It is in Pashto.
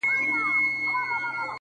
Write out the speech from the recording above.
که دې د سترگو له سکروټو نه فناه واخلمه”